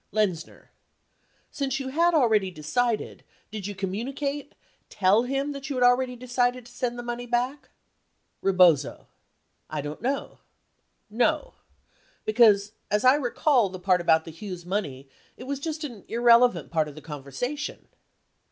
Lenzner. Since you had already decided, did you com municate — tell him that you had already decided to send the money back ? Rebozo. I don't know. No. Because as I recall the part about the Hughes money — it was just an irrelevant part of the conversation.